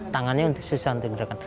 tangannya susah untuk digerakkan